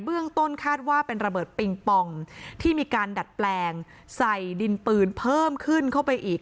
เบื้องต้นคาดว่าเป็นระเบิดปิงปองที่มีการดัดแปลงใส่ดินปืนเพิ่มขึ้นเข้าไปอีก